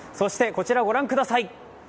こちらをご覧ください。